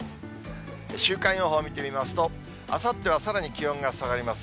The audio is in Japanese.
週間予報見てみますと、あさってはさらに気温が下がります。